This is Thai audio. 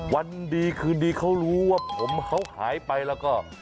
วันดีคืนดีเขารู้ว่าผมเขาหายไปแล้วก็